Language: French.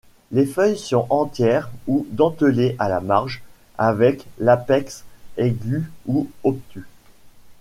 Les feuilles sont entières ou dentelées à la marge, avec l'apex aigu ou obtus.